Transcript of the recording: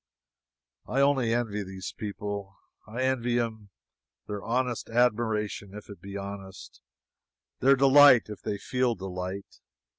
I only envy these people; I envy them their honest admiration, if it be honest their delight, if they feel delight.